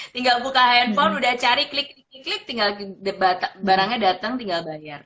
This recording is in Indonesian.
tinggal buka handphone udah cari klik tinggal barangnya datang tinggal bayar